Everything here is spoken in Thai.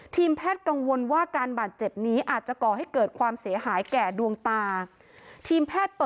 ทีมแพทย์กังวลว่าการบาดเจ็บนี้อาจจะก่อให้เกิดความเสียหายแก่ดวงตา